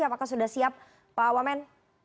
apakah sudah siap pak wamen